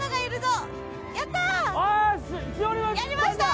やりました。